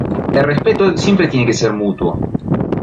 El respeto siempre tiene que ser mutuo.